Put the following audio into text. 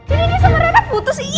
ini nih sama rara putus ih